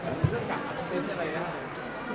แต่ถ้าใครรู้จักไม่รู้